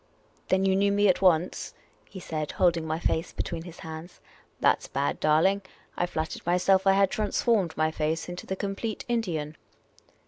" Then you knew me at once ?" he said, holding my face between his hands. " That 's bad, darling ! I flattered myself I had transformed my face into the complete Indian."